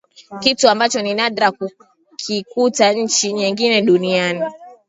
Kitu ambacho ni nadra kukikuta nchi nyingine duniani